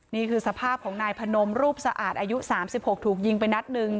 นี่คือสภาพของนายพนมรูปสะอาดอายุ๓๖ถูกยิงไปนัดหนึ่ง